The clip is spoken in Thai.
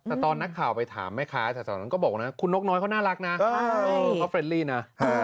แต่ตอนนักข่าวไปถามไหมคะแต่ตอนนั้นก็บอกนะ